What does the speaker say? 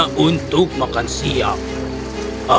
dia tidak tahu bahwa istriku ingin memakan jantungnya